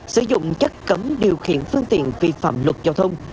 sử dụng chất cấm điều khiển phương tiện vi phạm luật giao thông